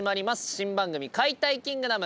新番組「解体キングダム」。